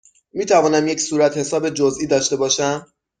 می توانم یک صورتحساب جزئی داشته باشم؟